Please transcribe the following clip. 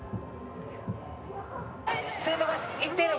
生徒が行っている。